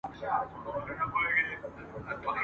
هم ګیله من یو له نصیب هم له انسان وطنه ..